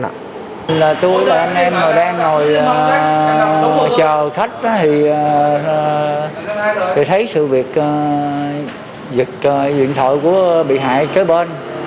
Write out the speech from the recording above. tôi và anh em đang ngồi chờ khách thì thấy sự việc giật điện thoại của bị hại ở kế bên